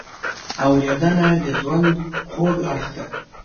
اورېدنه د ژوند خوږ اړخ دی.